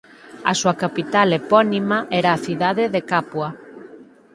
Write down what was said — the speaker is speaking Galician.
A súa capital epónima era a cidade de Capua.